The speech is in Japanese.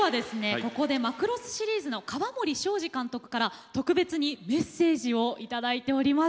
ここで「マクロス」シリーズの河森正治監督から特別にメッセージをいただいております。